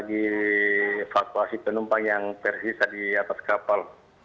di evakuasi penumpang yang tersisa di atas kapal